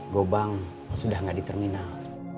gopang sudah nggak di terminal